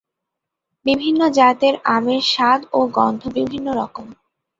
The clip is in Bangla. বিভিন্ন জাতের আমের স্বাদ ও গন্ধ বিভিন্ন রকম।